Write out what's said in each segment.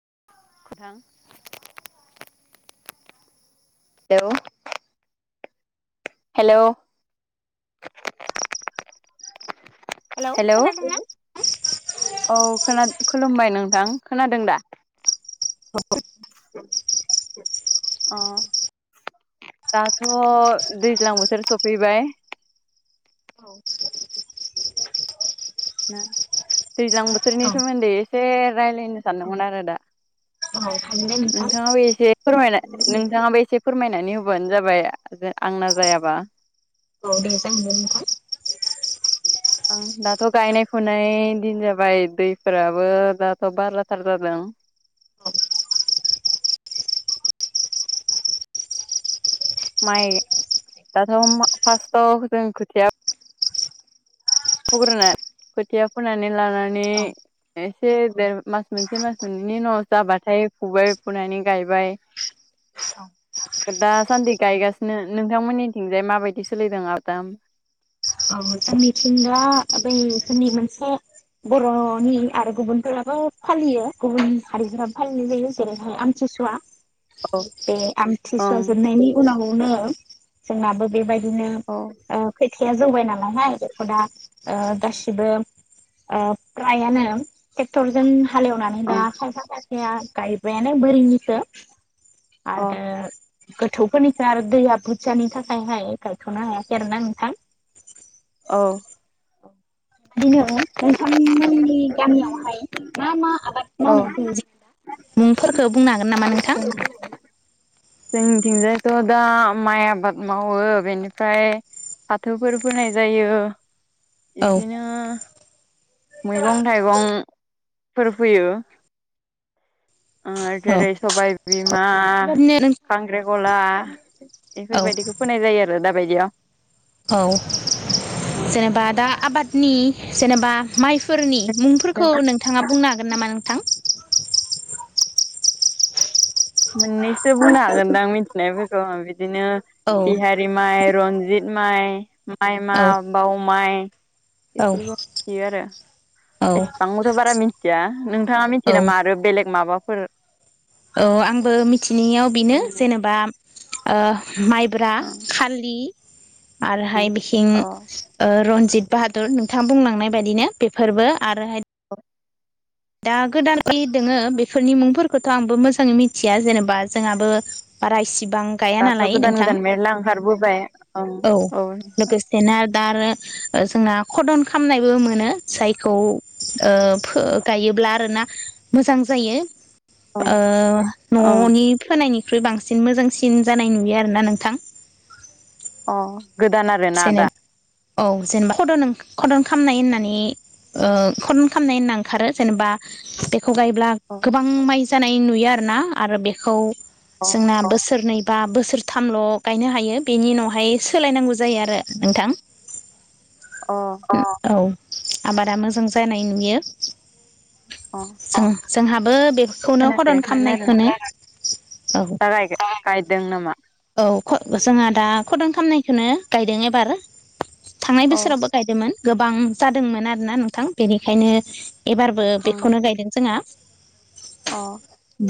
[unintelligible] औ। हेल'- hello hello खोनादोंना? औ खोनाद- खुलुमबाय नोंथां। खोनादों दा? [unintelligible] अ। दाथ' दैज्लां बोथोर सफैबाय। औ। ना दैज्लां बोथोरनि औ सोमोन्दै एसे रायलायनो सानदोंमोन आरो दा। थारैनो नोंथां नोंथांआबो एसे फोरमायलाय। नोंथाङाबो एसे फोरमायनानै होबानो जाबाय, जे आंना जायाबा। औ दे जागोन दे नोंथां। ओं दाथ' गायनाय -फुनाय दिन जाबाय, दै फोराबो दाथ' बाराथार जादों। [unintelligible] माइ दाथ' मा फार्स्टआव जों खोथिया [unintelligible] खोथिया फोनानि लानानै औ एसे देर मास मोनसे मास मोननैनि उ न' जाबाथाय फुबाय फुनानै गायबाय। [inaudible] [unintelligible] दासान्दि गायगासिनो ।नोंथांमोननिथिंजाय माबायदि सोलिदों आबादा? औ जोंनिथिं दा, बेै स [unintelligible] मोनसे बर'नि आरो गुबुनफोराबो फालियो ।गुबुन हारिफोराबो फालिनाय जायो जेरैहाय [unintelligible] सुवा ओं बे आमथिसुवा औ जोबनायनि उनावनो जोंनाबो बेबाय [unintelligible] खोथिया जौबाय नालायहाय बेखौदा गासिबो फ्रायानो ट्रेक्टरजों हालेवनानै दा ओं खायफा खायफाया गायबायानो बोरिनिखो अ आरो गोथौफोरनिसो आरो दैया बुरजानि थाखायहाय गायथ'नो हायाखै आरोना नोंथां औ बिदिनो नोंथां मोननि गामियावहाय मा मा आबाद औ मावनाय जायो मुं फोर खौ बुंनो हागोन नामा नोंथां जोंनिथिंजायथ' दा माइ आबाद मावो बेनिफ्राय फाथोफोर फोनाय जायो औ बिदिनो मैगं थाइगं फोर फोयो आ औ जोरै सबाय बिमा बेबायदिनो खांख्रे खला औ बेफोरबायदिखौ फोनाय जायो आरो दाबायदियाव औ दे जेनेबा दा आबादनि जेनेबा माइ फोरनि मुंफोरखौ नोंथाङा बुंनो हागोन नामा नोंथां मोननैसो बुंनो हागोनदां मिथिनायफोरखौ बिदिनो औ तिहारि माइ रनजित माइ माइ मा औ बाव माइ औ बेफोरखौ मिथियो आरो औ एसां मोजां बारा‌ मिथिआ नोंथाङा औ मिथियो नामा आरो बेलेग माबाफोर औ आंबो मिथिनायाव बेनो जेनेबा ओ माइब्रा खालि आरोहाय बिखिं अ रन जित बाहादुर नोंथाङा बुंलांनाय बायदिनो बेफोरबो आरोहाय दा गोदानाय दोङो बेफोरनि मुंफोरखौथ' आंबो मोजाङै मिथिया जेनेबा जोंहाबो बारा इसिबां गाया दाथ' नालाय गोदान नोंथां गोदान मेरला ओंखारबोबाय ओं औ लोगोसेनो दा आरो जोंना खदन खामनायबो मोनो जायखौ ओ फो- गायोब्ला आरोना मोजां जायो ओ ओं न'नि फोनायनि निख्रुइ बांसिन मोजांसिन जानाय नुयो आरोना नोंथां अ गोदान आरोना जेनेबा दा औ जेनेबा खद खदन खालामनाय होननानै ओ खरन खालामनाय होनना ओंखारो जेनेबा बे बेखौ गायब्ला अ गोबां माइ जानाय नुयो आरोना आरो बेखौ अ जोंना बोसोरनै बा बोसोरथामल' गायनो हायो बेनि उनावहाय सोलायनांगौ जायो आरो नोंथां अ औ अ औ आबादा मोजां जानाय नुयो अ जों जोंहाबो बे खौनो हदन खोनाफेराखैमोन आरो खालामनायखौनो औ दा गायदों नामा औ जोंहा दा खदन खालामामनायखौनो गायदों एबार थांनाय अ बोसोरावबो गायदोंमोन गोबां जादोंमोन आरोना नोंथां बेनिखायनो एबारबो ओं बेखौनो गायदों जोंङा अ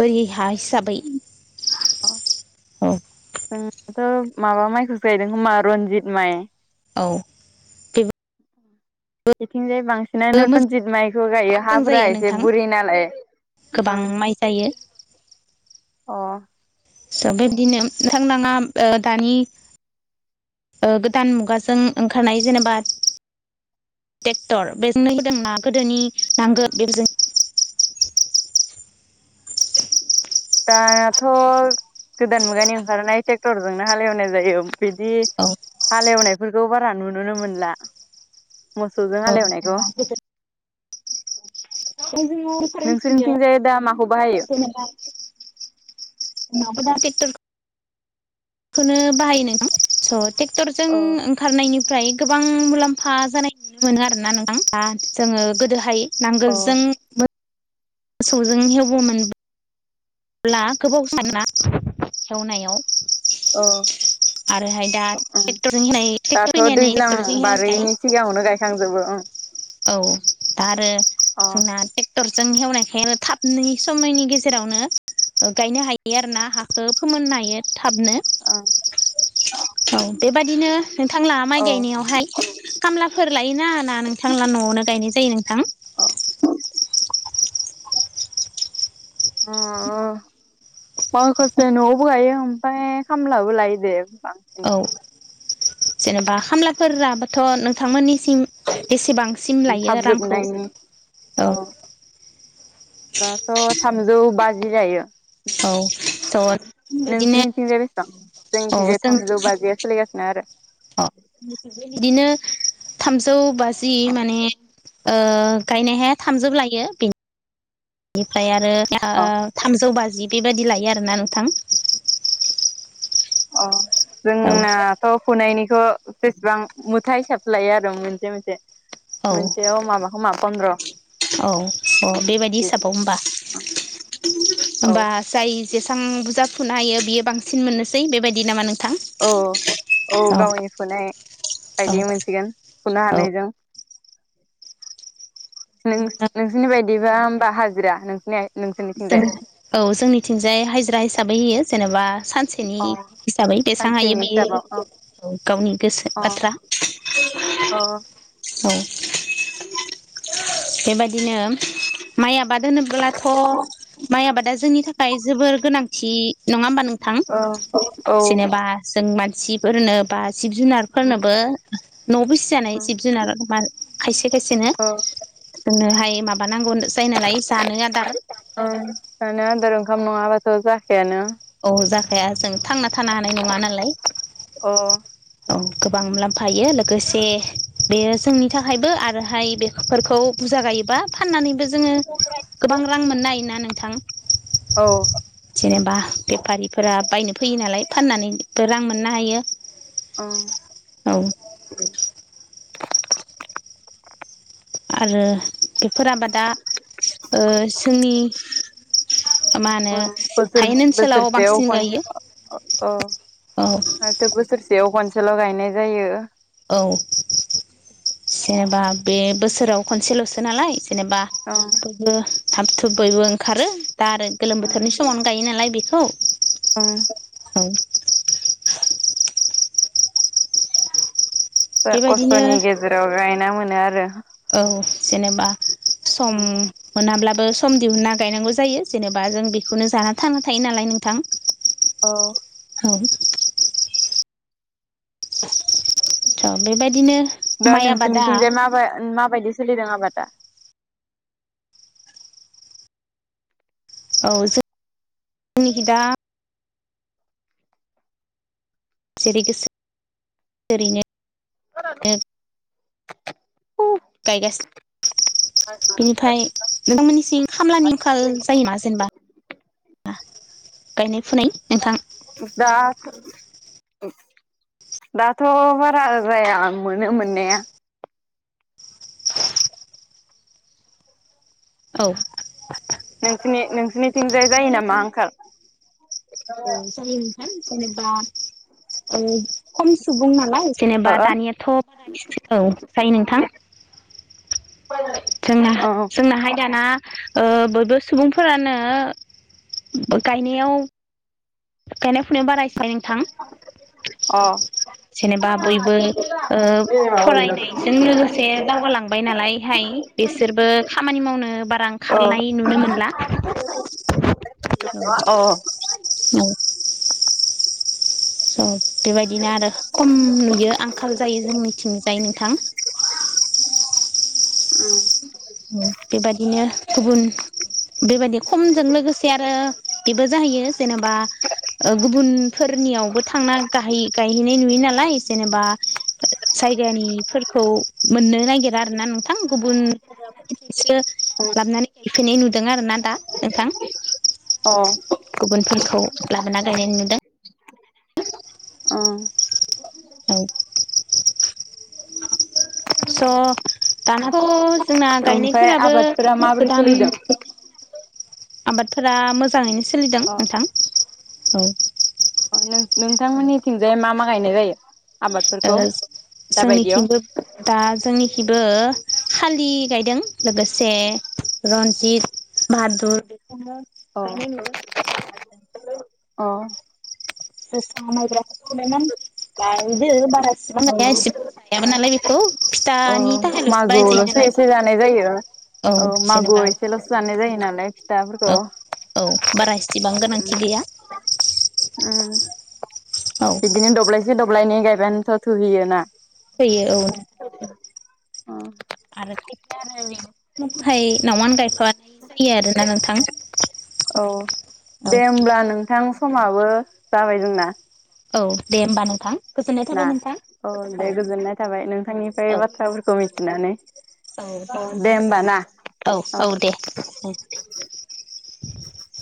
बोरि हा हिसाबै औ जोंनाथ' माबा माइखौसो गायदों खोमा जोंना रनजित माइ औ बेबो इथिंजाय बांसिनानो मोजां रन्जित माइखौ गायो हाफोरा जायो एसे नोंथां बुरि नालाय गोबां माइ जायो अ स' बेबदिनो नोंथांनाङा दानि ओ गोदान मुगाजों ओंखारनाय जेनेबा ट्रेक्टर बेजोंनो होदोंना गोदोनि नांगोल बेफोरजों दाथ' गोदान मुगानि ओंखारनाय ट्रेक्टरजोंनो हालेवनाय जायो। बिदि औ हालेवनायफोरखौ बारा नुनोनो मोनला। मोसौजों हालेवनायखौ। जोङो दिफारेन्स नुयो नोंसोरनिथिंजाय दा मा [unintelligible] [unintelligible] खौनो बाहायो नोंथां स' ट्रेक्टरजों अ ओंखारनायनि ओमफ्राय गोबां मुलाम्फा जानाय नुनो मोनो आरोना नोंथां दा जोङो गोदोहाय अ नांगोलजों। मोसौजों हेवोमोन। अब्ला गोबाव साना एवनायाव अ। ट्रेक्टरजों होनाय ट्रेक्टर दाथ' फैनानै दैज्लां ट्रेक्टरजों हेवनाय बारिनि सिगाङावनो गायखांजोबो औ दा आरो जोंना टेक्टर जों हेवनायखाय आरो थाबै समायनि गेजेरावनो गायनो हायो आरो ना हाखौ फोमोननो हायो थाबनो अ औ बेबादिनो नोंथांला माइ ओं गायनायावहाय खामलाफोर लायोना ना नोंथांना न'आवनो गायनाय जायो नोंथां। [inaudible] [inaudible] माखसे न'आवबो गायो ओमफ्राय खामलाबो लायो दे। बांसिन औ जेनेबा खामला फोराबोथ' नोंथांमोननिसिम एसेबां सिम लायो थाब रांखौ जोबनायनि औ दाथ' थामजौ बाजि जायो। औ थ' नोंसोरनि थिं बेसेबां अ जोंनिथिंजाय थामजौ बाजिया सोलिगासिनो आरो अ बिदिनो थामजौ बाजि माने ओ गायनायहाय थामजौ लायो बेनिफ्राय आरो ओ अ थामजौ बाजि बेबायाददि लायो आरोना नोंथां अ औ जोंनाथ' फुनायनिखौ बेसेबां मुथा हिसाब लायो आरो मोनसे मोनसे मोनसेयाव माबाखौ माबा औ औ बेबायदि हिसाबाव होमबा औ होमबा जाय जेसां बुरजा फुनो हायो बियो बांसिन मोननोसै बेबायदि नामा नों औ औ गावनिखौनाय औ बायदि मोनसिगोन फुनो औ हानायजों नोंसोरनि बायदिबा होमबा हाजिरा नोंसिनिया। औ जोंनिथिंजाय हाजिरा हिसाबै होयो जेनेबा सानसेनि अ हिसाबै बेसां हायो सानसेनि बेयो हिसाबाव औ गावनि गोसो अ बाथ्रा अ औ बेबायदिनो माइ आबाद होनोब्लाथ' माइ आबादा जोंनि थाखाय जोबोर गोनांथि नङा ह होनोमबा नों थां औ जेनेबा जों मानसिफोरनो बा जिब जुनारफोरनोबो न'आव बिसिजानाय जिब जुनार म खायसे खायसेनो औ जोंनोहाय माबानांगौ जायो नालाय जानो आदार । आ जानो आदार ओंखाम नङाबाथ जाखानो औ जाखाया जों थांना थानो हानाय नङा नालाय अ औ । गोबां मुलाम्फायो लोगोसे बेयो जोंनि थाखायबो आरोहाय बेफोरखौ बुरजा गाय बा फाननानैबो जोङो गोबां रां मोननो होना नोंथां? औ। जेनेबा बेफारिफोरा बायनो फैयो नालाय फाननानैबो रां मोननो हायो । अ। आरो बेफोर आबादा ओ जोंनि मा होनो ओ बोसोर हायेन ओनसोलाव बोसोरसे आव बांसिन ख'नसे गायो ओ ओ औ माथो बोसोरसेयाव खनसेल' गायनाय जायो । औ जेनेबा बे बोसोराव खनसेल'सो नालाय जेनेबा ओं बयबो थाब थुब बयबो ओंखारो दा आरो गोलोम बोथोरनि ओं समावनो गायो नालाय बे औ ओं औ। बेबायदिनो खस्थ'नि गेजेराव गायना मोनो आरो औ जेनेबा सम मोनाब्ला सम दिहुनना गायनांगौ जायो जेनेबा जों बेखौनो जाना थांना थायो नालाय नोंथां । औ। औ। थ' बेबायदिनो दा माइ आबादा नोंसोरनिथिंजाय म माबायदि सलि दङ बा? औ जों जोंनिखि दा [inaudible] [inaudible] गायगा बिनिफ्राय नोंथांमोननिसिम खामलानि आंखाल जायोना जेनेबा गायनाय फुनाय नोंथां? दा दाथ' बारा जाया मोनो मोननाया औ। नोंसिनि नोंसिनिथिंजाय जायो नामा आंखाल? औ जायोथां जेनेबा ओ खम सुबुं नालाय [inaudible] अ जोंना अ अ जोंनाहाय दाना ओ बो बो सुबुंफोरानो गायनायाव गायनाय फुनायाव बारायसाय नोंथां । अ जेनेबा बयबो ओ फरायनायजों लोगोसे दावगालांबाय नालायहाय बिसोरबो खामानि मावनो बारा ओंखारनाय नुनो मोनला अ अ। औ । औ। बेबायदिनो आरो खम नुयो आंखाल जायो जों मिथिंजाय नोंथां । [inaudible] बेबायदिनो गुबुन बेबायदि खमजों लोगोसे आरो बेबो जाहैयो जेनेबा ओ गुबुनफोरनियावबो थांना गायहैनाय नुयो नालाय। जेनेबा जायगानिफोरखौ मोननो नागिरा आरोना नोंथां गुबुन सो लाबानै गायफैनाय नुदों आरो ना दा नोंथां? गुबुनफोरखौ लाबोना गायनाय नुदों। अ। औ स'। दानाथ' जोंना ओमफ्राय गायनायफोराबो आबादफोरा माबोरै गोदान सोलिदों आबादफोरा मोजाङैनो सोलिदों अ नोंथां औ। नोंथांमोननिथिंजाय मा मा गायनाय जायो? आबादफोरखौ ओ दाबायदियाव जोंनिखिंबो दा जोंनिखैबो खालि गायदों लोगोसे रन्जित बाहादुर अ अ गायनाय नुदों अ जोसा मायब्रा [unintelligible] गायदों बारा बेसेबां गाया इसेबां गायाब नालाय बेखौ अ फिथानि थाखायल'सो बानाय जायो मागोआवल'सो नालाय एसे जानाय जायो औ मागोआव एसेल'सो जानाय जायो नालाय फिथाफोरखौ औ औ बारा इसिबां गोनांथि गैया ओम औ बिदिनो दब्लायसे दब्लायनै गायबानोथ' थुहैयो ना थोयो औ आरो [unintelligible] न'वावनो गायफानाय जायो आरोना नोंथां औ औ दे होमब्ला नोंथां समाबो जाबाय जोंना औ दे होमबा नोंथां गोजोननाय ना थाबाय नोंथां औ दे गोजोननाय थाबाय नोंथांनिफ्राय औ बाथ्राफोरखौ मिथिनानै औ दे नोंथां औ औ दे औ [inaudible]